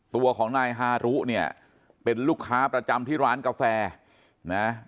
ตัวของนายฮารุเนี่ยเป็นลูกค้าประจำที่ร้านกาแฟนะ